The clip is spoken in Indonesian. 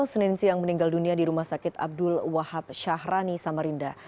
seneng seneng yang meninggal dunia di rumah sakit abdul wahab syahrani samarinda